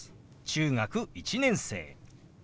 「中学１年生」。